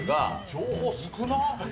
情報、少なっ！